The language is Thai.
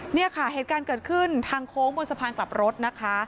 เนี่ยค่ะเหตุการณ์เกิดขึ้นทางโค้งบนสะพานกลับรถนะคะ